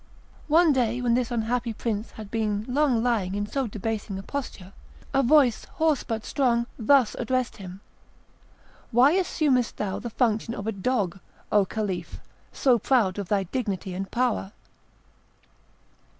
One day, when this unhappy prince had been long lying in so debasing a posture, a voice, hoarse but strong, thus addressed him: "Why assumest thou the function of a dog, O Caliph, so proud of thy dignity and power?"